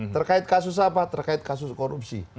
terkait kasus apa terkait kasus korupsi